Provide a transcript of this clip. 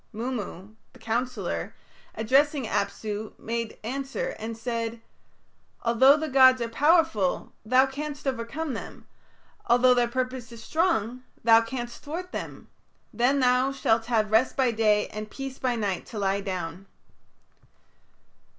Mummu, the counsellor, addressing Apsu, made answer, and said, "Although the gods are powerful, thou canst overcome them; although their purpose is strong, thou canst thwart it. Then thou shalt have rest by day and peace by night to lie down."